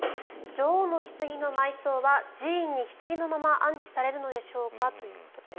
女王のひつぎの埋葬は寺院に、ひつぎのまま安置されるのでしょうか？ということです。